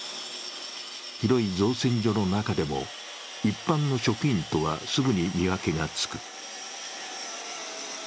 広い造船所の中でも一般の職員とはすぐに見分けがつく。